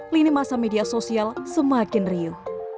lini masa media sosial semakin riuh